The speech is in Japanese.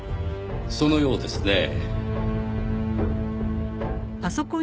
そのようですねぇ。